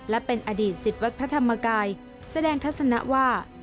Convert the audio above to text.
และเป็นอดีตสิทธิ์วัดพระธรรมกายแสดงทัศนะว่า